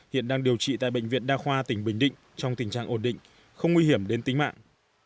hiện đang điều trị tại bệnh viện đa khoa tỉnh bình định trong tình trạng ổn định không nguy hiểm đến tính mạng